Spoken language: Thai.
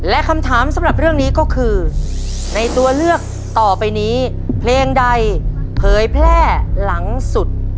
และคำถามสำหรับเรื่องนี้ก็คือในตัวเลือกต่อไปนี้เพลงใดเผยแพร่หลังสุด